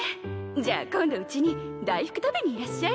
じゃあ今度うちに大福食べにいらっしゃい。